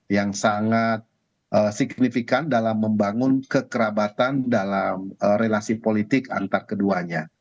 yang sangat signifikan dalam membangun kekerabatan dalam relasi politik antar keduanya